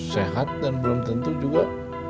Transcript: sehat dan belum tentu juga